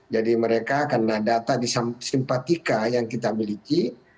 jadi mereka karena data di simpatika yang kita miliki